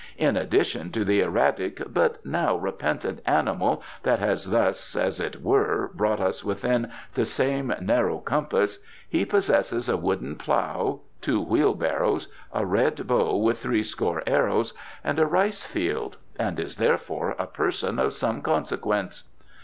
"In addition to the erratic but now repentant animal that has thus, as it were, brought us within the same narrow compass, he possesses a wooden plough, two wheel barrows, a red bow with threescore arrows, and a rice field, and is therefore a person of some consequence."